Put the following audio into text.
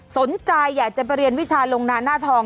สนใจอยากจะไปเรียนวิชาลงนานหน้าทอง